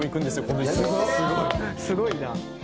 すごいな。